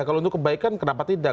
kalau untuk kebaikan kenapa tidak